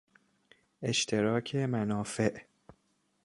اشتراک منافع